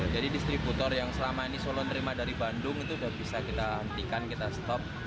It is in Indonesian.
jadi distributor yang selama ini solo nerima dari bandung itu sudah bisa kita hentikan kita stop